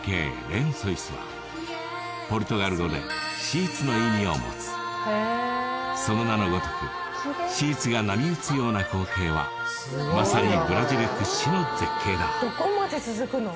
レンソイスはポルトガル語でシーツの意味を持つその名のごとくシーツが波打つような光景はまさにブラジル屈指の絶景だどこまで続くの？